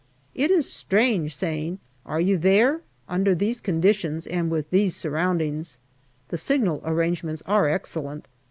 It is strange saying " Are you there ?" under these conditions and with these surroundings. The signal arrangements are excellent.